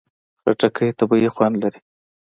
خټکی طبیعي خوند لري.